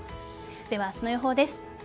では明日の予報です。